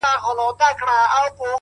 خپل مخ واړوې بل خواته.!